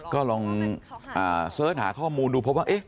ก็ลองเสิร์ชหาข้อมูลดูพบว่า